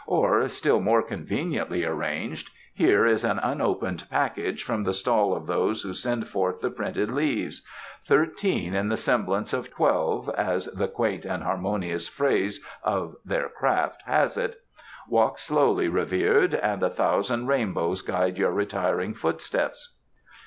Or, still more conveniently arranged, here is an unopened package from the stall of those who send forth the printed leaves 'thirteen in the semblance of twelve,' as the quaint and harmonious phrase of their craft has it. Walk slowly, revered, and a thousand rainbows guide your retiring footsteps."